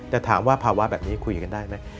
แต่ถามว่าภาวะแบบนี้คุยกันได้ไหม